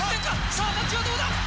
さあタッチはどうだ？